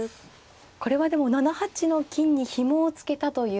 これはでも７八の金にひもを付けたという。